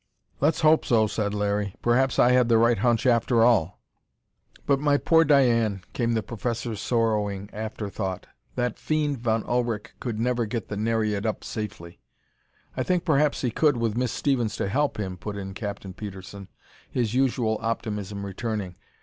"Let's hope so!" said Larry. "Perhaps I had the right hunch after all." "But my poor Diane!" came the professor's sorrowing after thought. "That fiend Von Ullrich could never get the Nereid up safely." "I think perhaps he could, with Miss Stevens to help him," put in Captain Petersen, his usual optimism returning.